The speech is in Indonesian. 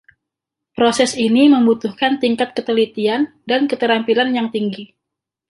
Proses ini membutuhkan tingkat ketelitian dan keterampilan yang tinggi.